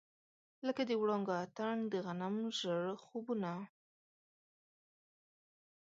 لکه د وړانګو اتڼ، د غنم ژړ خوبونه